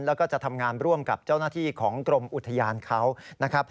แล้วก็จะทำงานร่วมกับเจ้าหน้าที่ของกรมอุทยานเขานะครับ